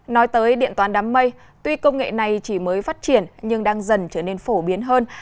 nói tới điện toán đám mây tuy công nghệ này chỉ mới phát triển nhưng đang dần trở nên phổ biến hơn